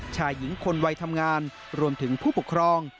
ชายหญิงคนวัยทำงานรวมถึงผู้ปกครอง